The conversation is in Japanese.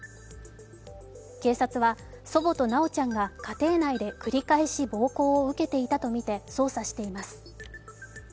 警察は、祖母と修ちゃんが家庭内で繰り返し暴行を受けていたとみて捜査しています。